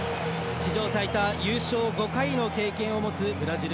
史上最多優勝５回の経験を持つブラジル。